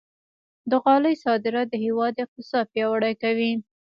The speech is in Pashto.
د غالۍ صادرات د هېواد اقتصاد پیاوړی کوي.